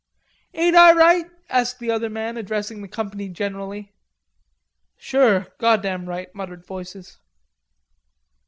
"Ain't I right?" asked the other man, addressing the company generally. "Sure, goddam right," muttered voices.